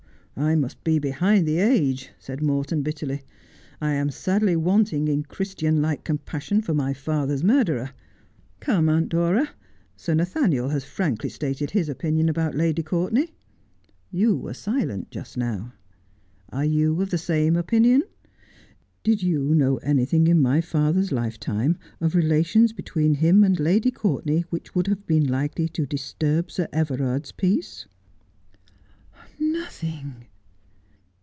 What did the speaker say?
'I must be behind the age,' said Morton bitterly. 'I am sadly wanting in Christian like compassion for my father's murderer. Come, Aunt Dora, Sir Nathaniel has frankly stated his opinion about Lady Courtenay. You were silent just now. Are you of the same opinion 1 Did you know anything in my father's lifetime of relations between him and Lady Courtenay which would have been likely to disturb Sir Everard's peace 1 ' 'Nothing.'